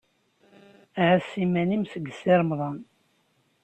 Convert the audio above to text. Ɛass iman-im seg Si Remḍan.